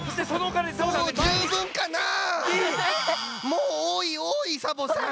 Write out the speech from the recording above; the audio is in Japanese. もうおおいおおいサボさん！